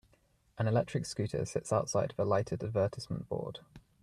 An electric scooter sits outside of a lighted advertisement board.